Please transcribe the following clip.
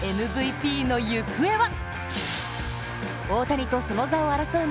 МＶＰの行方は？